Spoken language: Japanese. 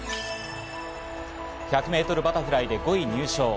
１００ｍバタフライで５位入賞。